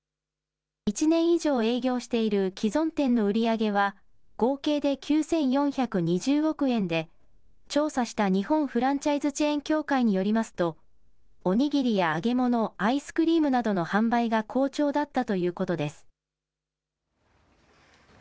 １年以上営業している既存店の売り上げは、合計で９４２０億円で、調査した日本フランチャイズチェーン協会によりますと、おにぎりや揚げ物、アイスクリームなどの販売が好調だったということです。